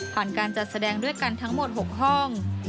การจัดแสดงด้วยกันทั้งหมด๖ห้อง